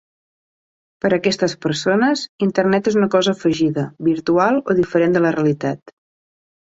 Per a aquestes persones, Internet és una cosa afegida, virtual o diferent de la realitat.